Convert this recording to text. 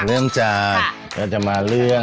เริ่มจากเราจะมาเรื่อง